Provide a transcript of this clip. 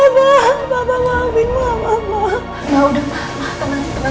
nah udah mama teman teman mama